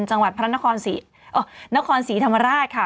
จังหวัดพระนครศรีนครศรีธรรมราชค่ะ